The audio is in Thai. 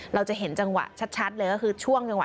เราจะเห็นจังหวะชัดเลยก็คือช่วงจังหวะ